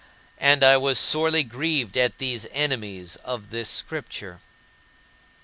And I was sorely grieved at these enemies of this Scripture. 12.